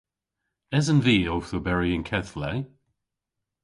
Esen vy owth oberi y'n keth le?